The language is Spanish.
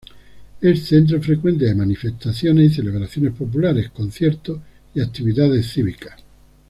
Es centro frecuente de manifestaciones y celebraciones populares, conciertos y actividades cívicas.